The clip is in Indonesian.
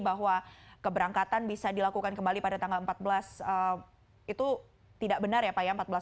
bahwa keberangkatan bisa dilakukan kembali pada tanggal empat belas itu tidak benar ya pak ya